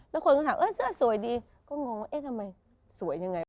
แล้วคนก็ถามเสื้อสวยดีก็งงว่าเอ๊ะทำไมสวยยังไง